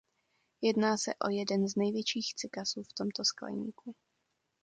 Jedná se o jeden z největších cykasů v tomto skleníku.